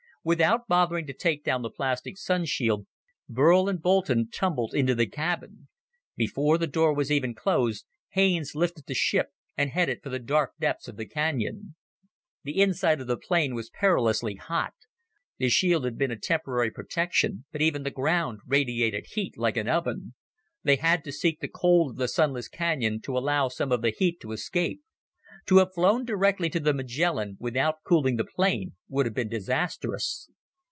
Without bothering to take down the plastic Sun shield, Burl and Boulton tumbled into the cabin. Before the door was even closed, Haines lifted the ship and headed for the dark depths of the canyon. The inside of the plane was perilously hot. The shield had been a temporary protection, but even the ground radiated heat like an oven. They had to seek the cold of the sunless canyon to allow some of the heat to escape. To have flown directly to the Magellan without cooling the plane would have been disastrous.